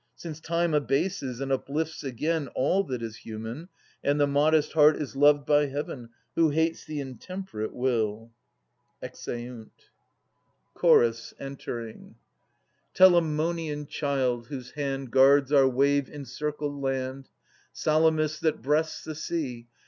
Since Time abases and uplifts again All that is human, and the modest heart Is loved by Heaven, who hates the intemperate will. [Exeunt. 58 Atas [134 152 Chorus (entering. Telamonian child, whose hand Guards our wave encircled land, Salamis that breasts the sea.